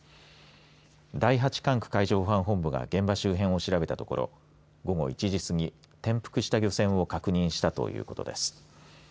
第８管区海上保安本部が現場周辺を調べたところ午後１時すぎ、転覆した漁船を確認したということです。